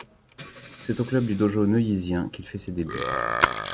C'est au club du Dojo neuillysien qu'il fait ses débuts.